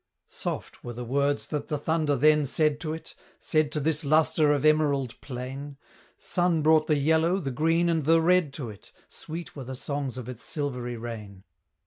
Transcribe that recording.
Soft were the words that the thunder then said to it Said to this lustre of emerald plain; Sun brought the yellow, the green, and the red to it Sweet were the songs of its silvery rain.